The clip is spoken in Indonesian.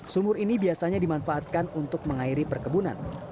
sumur ini biasanya dimanfaatkan untuk mengairi perkebunan